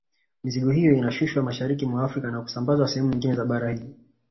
Mizigo hiyo inashushwa mashariki mwa Afrika na kusambazwa sehemu nyingine za bara hili